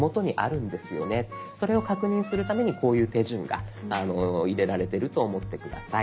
それを確認するためにこういう手順が入れられてると思って下さい。